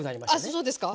あそうですか？